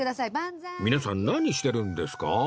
皆さん何してるんですか？